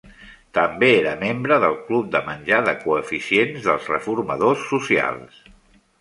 També era membre del club de menjar de Coeficients dels reformadors socials.